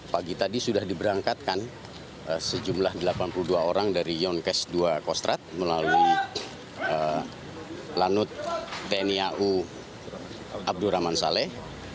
pagi tadi sudah diberangkatkan sejumlah delapan puluh dua orang dari yonkes dua kostrat melalui lanut tni au abdurrahman saleh